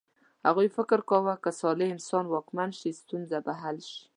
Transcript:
هغوی فکر کاوه که صالح انسان واکمن شي ستونزه به حل شي.